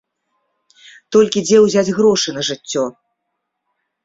Толькі дзе ўзяць грошы на жыццё?